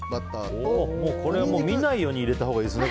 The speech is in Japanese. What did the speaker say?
見ないように入れたほうがいいですね